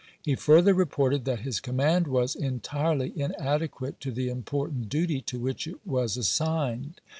He further reported that his command was "entirely inade quate to the important duty to which it was as signed."